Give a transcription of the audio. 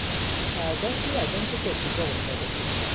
برداشت او از آنچه که اتفاق افتاده بود